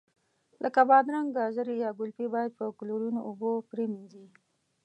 لکه بادرنګ، ګازرې یا ګلپي باید په کلورین اوبو پرېمنځي.